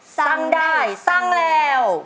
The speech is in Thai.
สั่งได้สั่งแล้ว